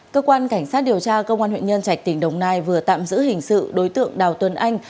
cơ quan cảnh sát điều tra công an huyện nhân trạch tỉnh đồng nai vừa tạm giữ hình sự đối tượng đào tuấn anh